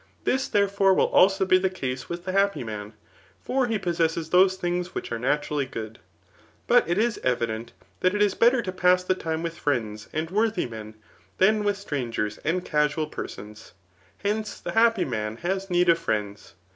This, therefore, will also be the case with the happy man ; for he possesses those things which are naturally good* But it is evident, that it is better to pass the time vith friends and worthy men, than with strangers and casual persons. Hence, the happy man has need of friends.